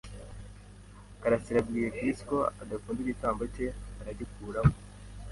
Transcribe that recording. karasira abwiye Chris ko adakunda igitambaro cye, aragikuraho.